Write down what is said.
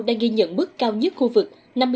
đang ghi nhận bức cao nhất khu vực